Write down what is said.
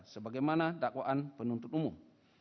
sebagaimana dakwaan penuntut umum